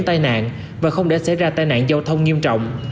tai nạn và không để xảy ra tai nạn giao thông nghiêm trọng